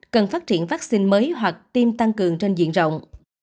cần phát triển vaccine mới hoặc tiêm tăng cường trên diện rộng